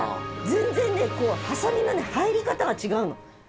全然ねハサミのね入り方が違うの。